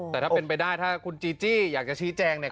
แต่ถ้าเป็นไปได้ถ้าคุณจีจี้อยากจะชี้แจงเนี่ย